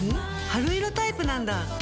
春色タイプなんだ。